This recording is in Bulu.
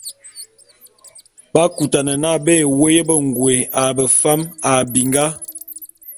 B'akutane n'a bé woé bengôé a befam a binga.